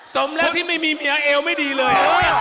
สมแล้วที่ไม่มีเมียเอวไม่ดีเลย